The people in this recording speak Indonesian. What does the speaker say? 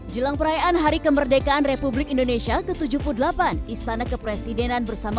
jelang perayaan hari kemerdekaan republik indonesia ke tujuh puluh delapan istana kepresidenan bersama